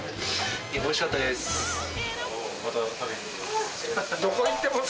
おいしかったです。